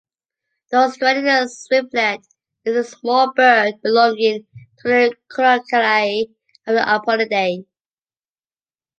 The Australian swiftlet is a small bird belonging to the Collocalia of the Apodidae.